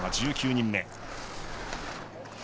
１９人目。